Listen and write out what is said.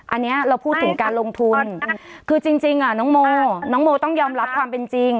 อันนี้เราพูดถึงการลงทุนคือจริงน้องโมน้องโมต้องยอมรับความเป็นจริง